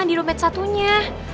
di dompet satunya